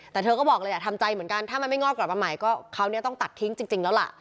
แต่เธอก็บอกเลยทำใจเหมือนกันถ้ามันไม่งอกกลับมาใหม่ก็คราวนี้ต้องตัดทิ้งจริงแล้วล่ะ